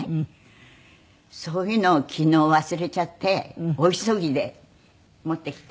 そういうのを昨日忘れちゃって大急ぎで持ってきたり。